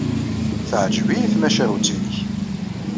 Teɛjeb-iyi tmacahut-nnek.